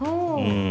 うん。